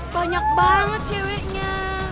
banyak banget ceweknya